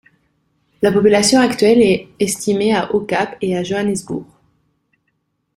La population actuelle est estimée à au Cap et à Johannesbourg.